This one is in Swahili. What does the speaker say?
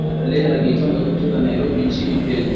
leah gitonga kutoka nairobi nchini kenya